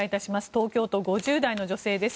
東京都、５０代の女性です。